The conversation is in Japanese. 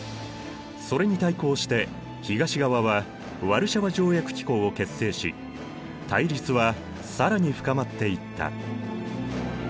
それに対抗して東側はワルシャワ条約機構を結成し対立は更に深まっていった。